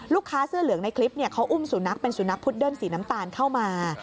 เสื้อเหลืองในคลิปเขาอุ้มสุนัขเป็นสุนัขพุดเดิ้ลสีน้ำตาลเข้ามา